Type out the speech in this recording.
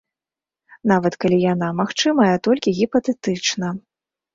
Нават калі яна магчымая толькі гіпатэтычна.